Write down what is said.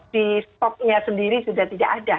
di stoknya sendiri sudah tidak ada